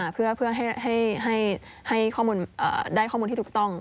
เพื่อให้ได้ข้อมูลที่ถูกต้อง